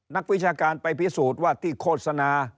นักวิชาการไปพิสูจน์ว่าที่โฆษณา